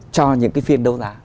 cho những phiên đấu giá